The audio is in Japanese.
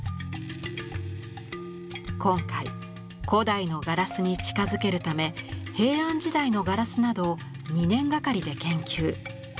今回古代のガラスに近づけるため平安時代のガラスなどを２年がかりで研究。